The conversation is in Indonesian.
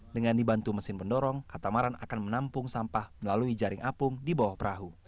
dengan dibantu mesin pendorong katamaran akan menampung sampah melalui jaring apung di bawah perahu